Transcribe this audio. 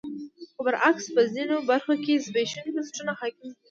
خو برعکس په ځینو برخو کې زبېښونکي بنسټونه حاکم دي.